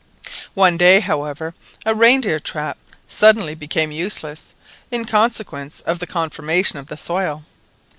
One day, however, the reindeer trap suddenly became useless in consequence of the conformation of the soil.